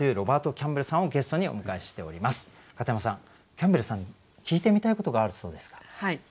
キャンベルさんに聞いてみたいことがあるそうですが。